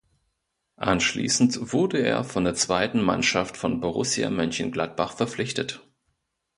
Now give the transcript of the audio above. Anschließend wurde er von der zweiten Mannschaft von Borussia Mönchengladbach verpflichtet.